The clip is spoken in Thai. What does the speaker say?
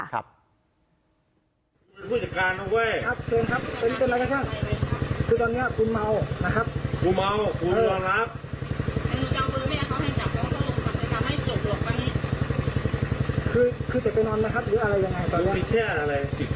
นี่นี่